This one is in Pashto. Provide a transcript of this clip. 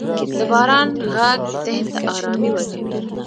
• د باران ږغ ذهن ته آرامي ورکوي.